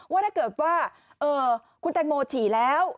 ว่าถ้าเกิดว่าคุณแตงโมฉี่แล้ว